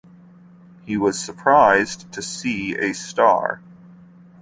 He was surprised to see a star.